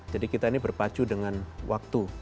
jadi kita ini berpacu dengan waktu